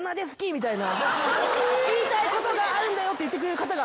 言いたいことがあるんだよって言ってくれる方が。